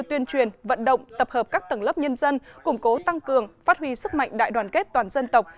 tuyên truyền vận động tập hợp các tầng lớp nhân dân củng cố tăng cường phát huy sức mạnh đại đoàn kết toàn dân tộc